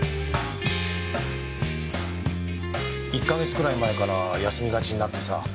１か月くらい前から休みがちになってさ